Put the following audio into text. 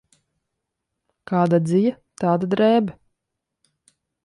Kāda dzija, tāda drēbe.